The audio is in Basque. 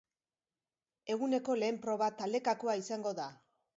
Eguneko lehen proba, taldekakoa izango da.